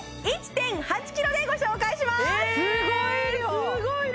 すごい量！